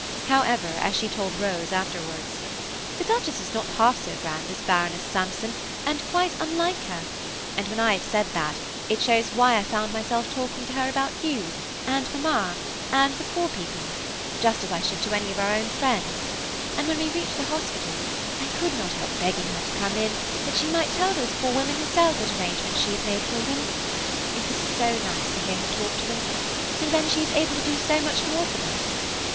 However, as she told Rose afterwards, "the Duchess was not half so grand as Baroness Sampson, and quite unlike her; and when I have said that, it shows why I found myself talking to her about you, and mamma, and the poor people; just as I should to any of our own friends; and when we reached the hospital, I could not help begging her to come in, that she might tell those poor women herself what arrangements she had made for them. It was so nice to hear her talk to them, and then she is able to do so much for them.